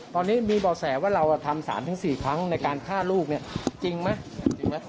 ตอนนี้มีบ่อแสว่าเราทำ๓๔ครั้งในการฆ่าลูกเนี่ยจริงไหมจริงไหม